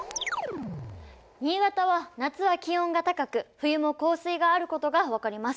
新潟は夏は気温が高く冬も降水があることが分かります。